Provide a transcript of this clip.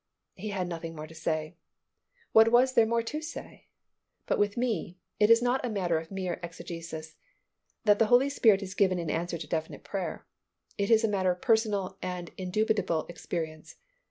He had nothing more to say. What was there more to say? But with me, it is not a matter of mere exegesis, that the Holy Spirit is given in answer to definite prayer. It is a matter of personal and indubitable experience.